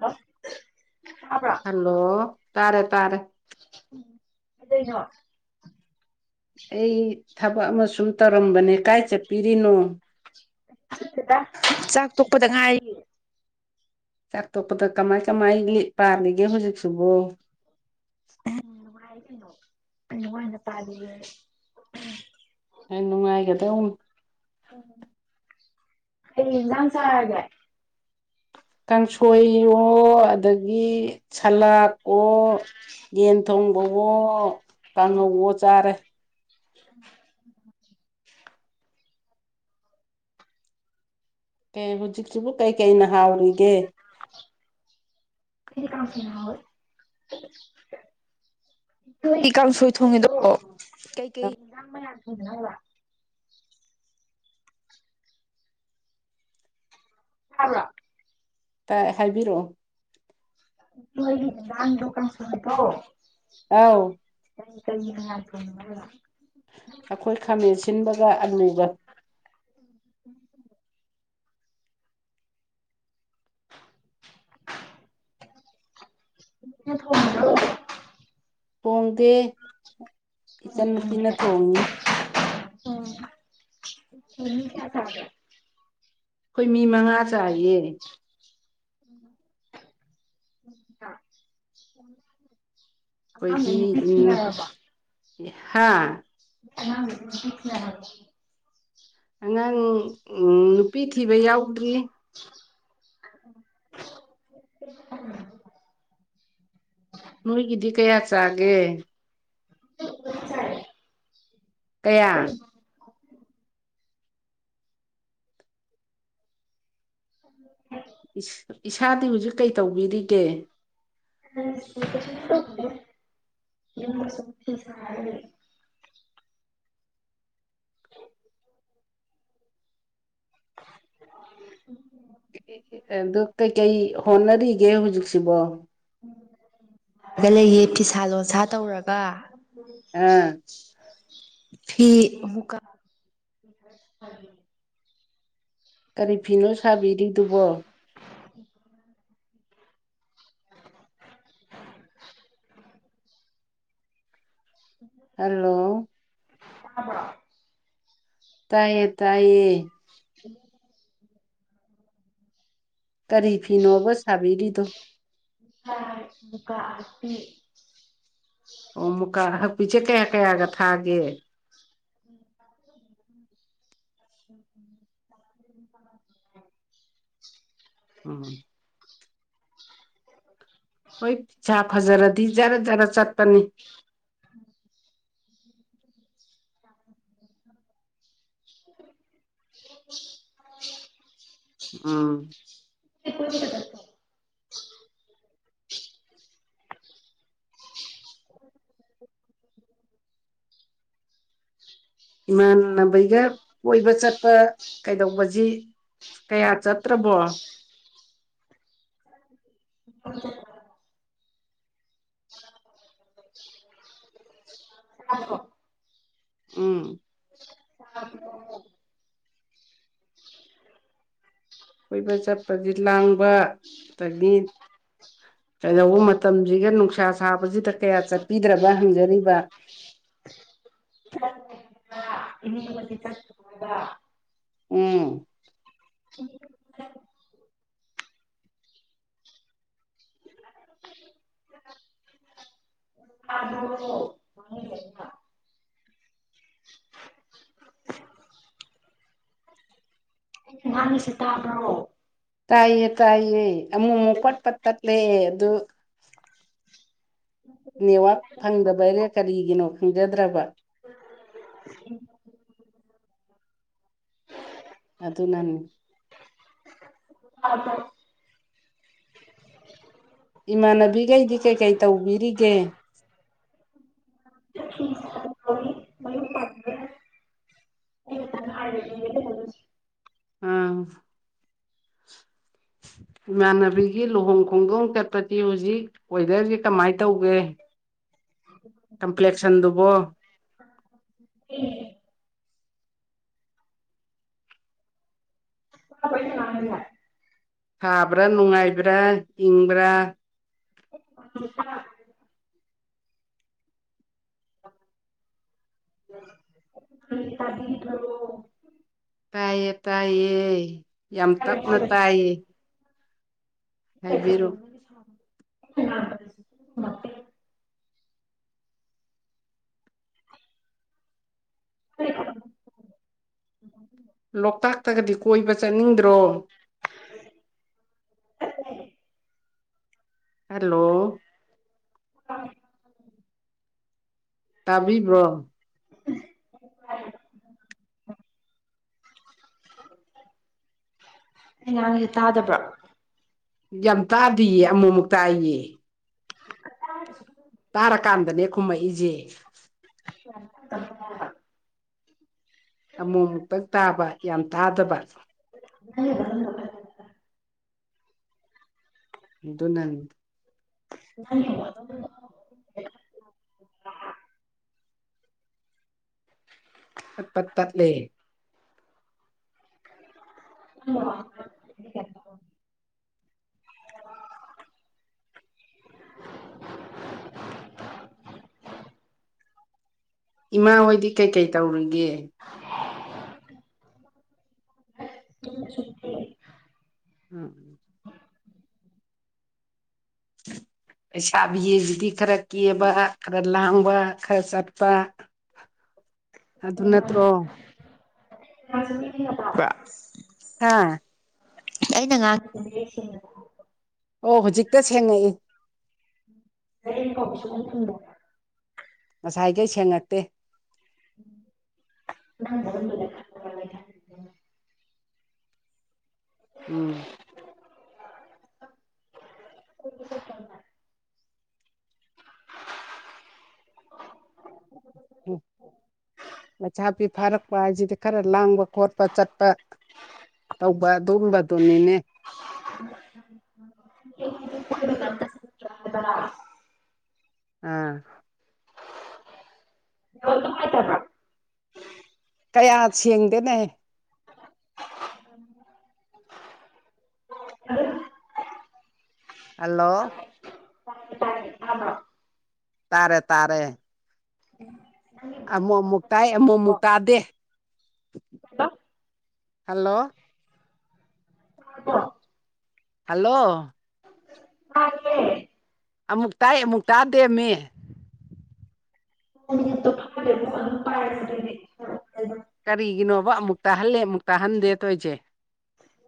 ꯑ ꯍꯜꯂꯣ ꯇꯥꯔꯦ ꯇꯥꯔꯦ ꯀꯩꯗꯧꯔꯤꯅꯣ ꯑꯩ ꯊꯕꯛ ꯑꯃ ꯁꯨꯝ ꯇꯧꯔꯝꯕꯅꯦ ꯀꯥꯏ ꯆꯠꯄꯤꯔꯤꯅꯣ ꯊꯖꯗꯦꯗꯥ ꯆꯥꯛ ꯇꯣꯛꯄꯗ ꯉꯥꯏ ꯆꯥꯛ ꯇꯣꯄꯗ ꯀꯃꯥꯏ ꯀꯃꯥꯏ ꯄꯥꯔꯤꯒꯦ ꯍꯧꯖꯤꯛꯁꯤꯕ ꯅꯨꯡꯉ ꯅꯨꯡꯉꯥꯏꯅ ꯇꯥꯗꯦ ꯌꯥꯝ ꯅꯨꯡꯉꯥꯏꯗꯧꯅꯤ ꯀꯩ ꯏꯟꯁꯪ ꯆꯔꯒ ꯀꯥꯡꯁꯣꯏꯌꯣ ꯑꯗꯒꯤ ꯁꯂꯥꯛ ꯑꯣ ꯌꯦꯟ ꯊꯣꯡꯕꯋꯣ ꯀꯥꯡꯉꯧꯋꯣ ꯆꯥꯔꯦ [unintelligible] ꯍꯧꯖꯤꯛꯁꯤꯕꯨ ꯀꯩ ꯀꯩꯅ ꯍꯥꯎꯔꯤꯒꯦ ꯑꯩꯗꯤ ꯀꯟꯁꯣꯏꯅꯥ ꯍꯥꯑꯣꯏ ꯏ ꯀꯥꯡꯁꯣꯏ ꯊꯣꯡꯉꯤꯗ ꯀꯩꯀꯩ ꯍꯤꯟꯖꯡ ꯍꯥꯏꯕꯔꯣ ꯇꯏ ꯍꯥꯏꯕꯤꯔꯛꯑꯣ ꯨꯅꯣꯌꯒꯤ ꯏꯟꯁꯥꯡ ꯗꯀꯥꯟ ꯁꯠꯇꯣ ꯑꯥꯎ ꯀꯩ ꯒꯤ ꯃꯌꯥꯝ ꯊꯣꯟꯒꯦꯅꯤꯕꯥ ꯑꯩꯈꯣꯏ ꯈꯥꯃꯦꯟ ꯁꯤꯟꯕꯒ ꯑꯂꯨꯒ [unintelligible] [unintelligible] ꯅꯪ ꯊꯣꯪꯏꯔꯣ ꯍꯧꯖꯤꯛ ꯊꯣꯡꯗꯦ ꯏꯆꯟꯟꯅꯨꯄꯤꯅ ꯊꯣꯡꯉꯤ ꯑꯣ ꯃꯤ ꯀꯌꯥ ꯆꯥꯒꯦ ꯑꯩꯈꯣꯏ ꯃꯤ ꯃꯉꯥ ꯆꯥꯏꯌꯦ [unintelligible] ꯑꯉꯥꯡ ꯑꯩꯈꯣꯏꯒꯤ ꯅꯨꯄꯤ ꯊꯤ ꯏꯟꯅ ꯅꯔꯕꯣ ꯍꯥ [inaudible] ꯑꯉꯥꯡ ꯅꯨꯄꯤ ꯊꯤꯕ ꯌꯥꯎꯗ꯭ꯔꯤ [inaudible] ꯅꯣꯏꯒꯤꯗꯤ ꯀꯌꯥ ꯆꯥꯒꯦ ꯇꯔꯨꯛ ꯆꯥꯌꯦ ꯀꯌꯥ [unintelligible] ꯏꯁꯥꯗꯤ ꯍꯧꯖꯤꯛ ꯀꯩ ꯇꯧꯕꯤꯔꯤꯒꯦ [unintelligible] [unintelligible] ꯑꯗꯨ ꯀꯩꯀꯩ ꯍꯣꯠꯅꯔꯤꯒꯦ ꯍꯧꯖꯤꯛꯁꯤꯕꯣ ꯂꯩꯌꯦ ꯐꯤꯁꯥ ꯂꯣꯟꯁꯥ ꯇꯧꯔꯒ ꯑꯝ ꯐꯤꯑꯃꯨꯛ ꯀꯥ ꯀꯔꯤ ꯐꯤꯅꯣ ꯁꯥꯕꯤꯔꯤꯗꯨꯕꯣ ꯍꯜꯂꯣ ꯇꯕꯥꯔꯣ ꯇꯥꯏꯌꯦ ꯇꯥꯏꯌꯦ [unintelligible] ꯀꯔꯤ ꯐꯤꯅꯣꯕ ꯁꯥꯕꯤꯔꯤꯗꯣ ꯃꯨꯀꯥ ꯃꯨꯀꯥ ꯑꯣ ꯃꯨꯀꯥ ꯍꯛꯄꯤꯆꯦ ꯀꯌꯥ ꯀꯌꯥꯒ ꯊꯥꯒꯦ [unintelligible] ꯎꯝ ꯍꯣꯏ ꯄꯤꯖꯥ ꯐꯖꯔꯗꯤ ꯖꯔ ꯖꯔ ꯆꯠꯄꯅꯤ ꯎꯝ [inaudible] [inaudible] ꯎꯝ ꯗ ꯏꯃꯥꯟꯅꯕꯩꯒ ꯀꯣꯏꯕ ꯆꯠꯄ ꯀꯩꯗꯧꯕꯁꯤ ꯀꯌꯥ ꯆꯠꯇ꯭ꯔꯕꯣ ꯍ [unintelligible] ꯇꯔꯕꯣ ꯎꯝ [unintelligible] ꯀꯣꯏꯕ ꯆꯠꯄꯗꯤ ꯂꯥꯡꯕ ꯑꯗꯒꯤ ꯀꯩꯗꯧꯕ ꯃꯇꯝꯁꯤꯒ ꯅꯨꯡꯁꯥ ꯁꯥꯕꯁꯤꯗ ꯀꯌꯥ ꯆꯠꯄꯤꯗ꯭ꯔꯕ ꯍꯪꯖꯔꯤꯕ [inaudible] ꯏ ꯆꯠꯕ ꯎꯝ [inaudible] [inaudible] [inaudible] ꯑꯩ ꯉꯥꯟ ꯁꯤꯠꯇꯕ꯭ꯔꯣ ꯇꯥꯏꯌꯦ ꯇꯥꯏꯌꯦ ꯑꯃꯨꯛ ꯑꯃꯨꯛ ꯄꯠꯄꯠ ꯇꯠꯂꯦ ꯑꯗꯨ ꯅꯦꯋꯥꯛ ꯐꯪꯗꯕꯔꯦ ꯀꯔꯤꯒꯤꯅꯣ ꯈꯪꯖꯗ꯭ꯔꯕ ꯎꯝ ꯑꯗꯨ ꯑꯗꯨ ꯅꯅꯤ [unintelligible] ꯏꯃꯥꯟꯅꯕꯤꯈꯩꯗꯤ ꯀꯩꯀꯩ ꯇꯧꯕꯤꯔꯤꯒꯦ ꯑꯥ ꯏꯃꯥꯟꯅꯕꯤꯒꯤ ꯂꯨꯍꯣꯡ ꯈꯣꯡꯗꯣꯡ ꯆꯠꯄꯗꯤ ꯍꯧꯖꯤꯛ ꯋꯦꯗꯔꯁꯤ ꯀꯃꯥꯏꯅ ꯇꯧꯒꯦ ꯀꯝꯄ꯭ꯂꯦꯛꯁꯟꯗꯨꯕꯣ ꯄꯨ ꯄꯅꯦ ꯂꯉꯒ ꯊꯥꯕ꯭ꯔꯥ ꯅꯨꯡꯉꯥꯏꯕ꯭ꯔꯥ ꯏꯪꯕ꯭ꯔꯥ [inaudible] ꯗꯤ ꯇꯥꯏꯌꯦ ꯇꯥꯏꯌꯦ ꯌꯥꯝ ꯇꯞꯅ ꯇꯥꯏꯌꯦ ꯍꯥꯏꯕꯤꯔꯣ [inaudible] ꯍ ꯂꯣꯛꯇꯥꯛꯇꯒꯗꯤ ꯀꯣꯏꯕ ꯆꯠꯅꯤꯡꯗ꯭ꯔꯣ [inaudible] ꯍꯦꯜꯂꯣ ꯑ ꯇꯥꯕꯤꯕ꯭ꯔꯣ ꯑꯩ ꯉꯥꯡꯁꯦ ꯇꯥꯗꯕ꯭ꯔꯥ ꯌꯥꯝ ꯇꯥꯗꯌꯦ ꯑꯃꯨꯛꯃꯨꯛꯛꯇꯥꯏꯌꯦ ꯑ ꯇꯥꯔꯀꯥꯟꯗꯅꯦ ꯈꯨꯝꯃꯛꯏꯁꯦ [inaudible] ꯑꯃꯨꯛ ꯑꯃꯨꯛꯇꯛ ꯇꯥꯕ ꯌꯥꯝ ꯇꯥꯗꯕ [inaudible] ꯍꯗꯣ ꯅꯪ ꯅ ꯠꯠ ꯇꯠ ꯂꯩꯦ ꯍ ꯏꯃꯥ ꯍꯣꯏꯗꯤ ꯀꯩꯀꯩ ꯇꯧꯔꯤꯒꯦ [unintelligible] ꯎꯝ [unintelligible] ꯂꯩꯁꯥꯕꯤꯁꯤꯗꯤ ꯈꯔ ꯀꯦꯕ ꯈꯔ ꯂꯥꯡꯕ ꯈꯔ ꯆꯠꯄ [unintelligible] ꯅꯠꯇ꯭ꯔꯣ [unintelligible] ꯍꯥꯥ ꯑꯩꯅ ꯉ ꯑꯣ ꯍꯧꯖꯤꯛꯇ ꯁꯦꯡꯉꯛꯏ ꯀꯁꯨꯝ ꯊꯕꯣ ꯉꯁꯥꯏꯈꯩ ꯁꯦꯡꯉꯛꯇꯦ ꯅ ꯎꯝ ꯠꯇ [unintelligible] ꯎꯝ ꯃꯆꯥꯥꯄꯤ ꯐꯥꯔꯛꯄ ꯍꯥꯏꯁꯤꯗꯤ ꯈꯔ ꯂꯥꯡꯕ ꯈꯣꯠꯄ ꯆꯠꯄ ꯇꯧꯕ ꯑꯗꯨꯒꯨꯝꯕꯗꯨꯅꯤꯅꯦ [unintelligible] ꯑꯝ ꯃꯥ ꯇꯔ ꯀꯌꯥ ꯁꯦꯡꯗꯦꯅ ꯑ ꯍꯜꯂꯣ ꯇꯔ ꯇꯔꯦꯃ ꯇꯥꯔꯦ ꯇꯥꯔꯦ ꯎꯝ ꯑꯃꯨꯛ ꯑꯃꯨꯛ ꯀꯥꯏ ꯑꯃꯨꯛ ꯑꯃꯨꯛ ꯀꯥꯗꯦ ꯍꯜꯂꯣ ꯑꯀꯣ ꯍꯜꯂꯣ ꯑ ꯑꯃꯨꯛ ꯇꯥꯏ ꯑꯃꯨꯛ ꯇꯥꯗꯦꯝꯃꯤ ꯐꯦ ꯄꯥꯏ ꯀꯔꯤꯒꯤꯅꯣꯕ ꯑꯃꯨꯛ ꯇꯥꯍꯜꯂꯦ ꯑꯃꯨꯛ ꯇꯥꯍꯟꯗꯦ ꯇꯣꯏꯁꯦ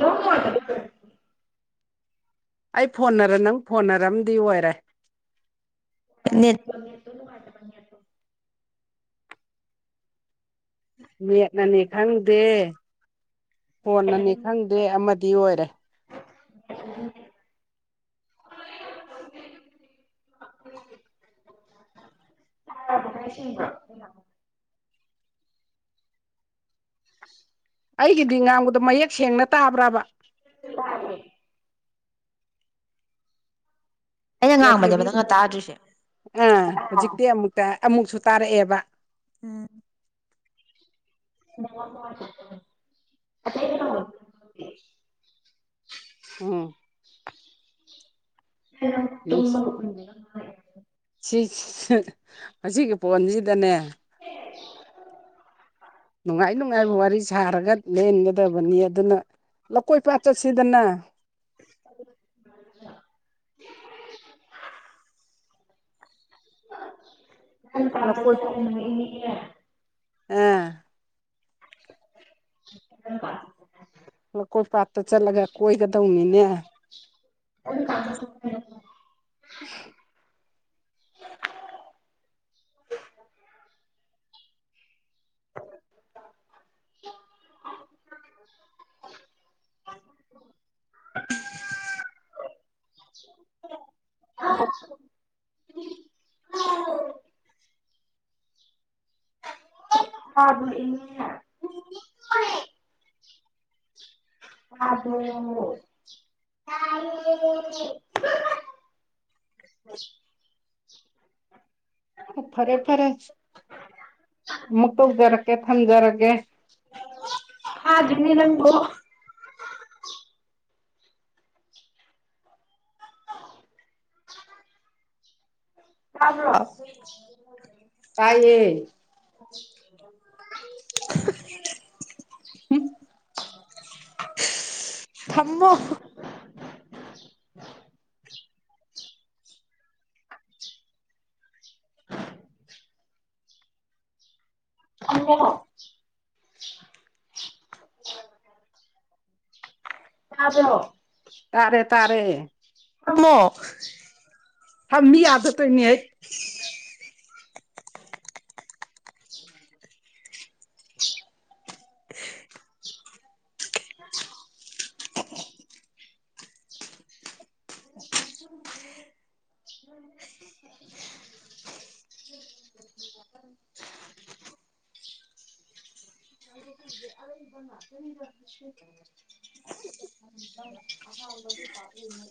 ꯌꯣꯡꯉ ꯃꯥꯦ ꯑꯩ ꯐꯣꯟꯅꯔ ꯅꯪ ꯐꯣꯟꯅꯔꯝꯗꯤ ꯑꯣꯏꯔꯦ ꯅꯣ ꯅꯦꯠꯇꯣ ꯋꯥꯕ ꯅ ꯃꯦꯠꯅꯅꯦ ꯈꯪꯗꯦ ꯍꯣꯟꯅꯅꯤ ꯈꯪꯗꯦ ꯑꯃꯗꯤ ꯑꯣꯏꯔꯦ [unintelligible] ꯁꯤ [unintelligible] ꯑꯩꯒꯤꯗꯤ ꯉꯥꯡꯕꯗꯣ ꯃꯌꯦꯛ ꯁꯦꯡꯅ ꯇꯥꯕ꯭ꯔꯥꯕ ꯌꯥ ꯑꯩꯅ ꯉꯥꯡꯕꯅꯦꯕ ꯌꯥꯏꯐꯕꯤ ꯅꯪꯅ ꯇꯥꯗ꯭ꯔꯤꯁꯦ ꯑꯥ ꯍꯧꯖꯤꯛꯇꯤ ꯑꯃꯨꯛꯇ ꯑꯃꯨꯛꯁꯨ ꯇꯥꯔꯛꯑꯦꯕ ꯎꯝ ꯑ ꯀ ꯎꯝ ꯇ ꯈꯨꯈ ꯑꯁꯤꯒꯤꯒꯤ ꯐꯣꯟꯁꯤꯗꯅꯦ ꯍ ꯅꯨꯡꯉꯥꯏ ꯅꯨꯡꯉꯥꯏꯕ ꯋꯥꯔꯤ ꯁꯥꯔꯒ ꯂꯦꯟꯒꯗꯕꯅꯤ ꯑꯗꯨꯅ ꯂꯧꯀꯣꯏ ꯄꯥ ꯆꯠꯁꯤꯗꯅ [unintelligible] ꯑ ꯌꯥꯝ ꯄꯗ ꯂꯧꯀꯣꯏ ꯆ ꯑꯥ ꯏ [unintelligible] ꯂꯀꯣꯏ ꯄꯥꯠꯇ ꯆꯠꯂꯒ ꯀꯣꯏꯒꯗꯧꯅꯤꯅꯦ ꯀꯖ ꯁ ꯎ [unintelligible] [unintelligible] [unintelligible] [unintelligible] ꯑ ꯑꯗ ꯎꯝ ꯑꯣ ꯐꯔꯦꯠ ꯐꯔꯦꯠ ꯑꯃꯨ ꯇꯧꯖꯔꯛꯀꯦ ꯊꯝꯖꯔꯒꯦ ꯑꯅꯤ ꯅꯪ [unintelligible] ꯀꯥꯒꯔꯁ ꯇꯌꯦ [unintelligible] ꯎꯝ ꯊꯃꯣ ꯑꯣ ꯌꯥꯕꯣ ꯇꯥꯔꯦ ꯇꯥꯔꯦ ꯑꯃꯃꯣ ꯍꯥ ꯃꯤ ꯑꯗ ꯇ ꯃꯤ ꯍꯥꯏ ꯑꯔꯕ ꯀꯔꯤ ꯑꯗꯤꯦ ꯄꯥꯦ ꯃ